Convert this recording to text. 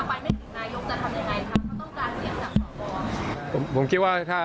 ถ้าไปแม่งสิ่งนายยกจะทำยังไงครับเขาต้องการเสียงจากสอบบอาวุธ